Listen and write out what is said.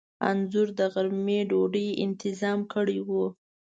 انځور د غرمې ډوډۍ انتظام کړی و.